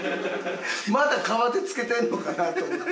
まだ革手着けてるのかなと思った。